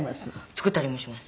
作ったりもします。